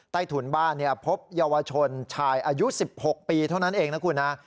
ใต้ถุงบ้านเนี้ยพบเยาวชนชายอายุสิบหกปีเท่านั้นเองนะคุณฮะ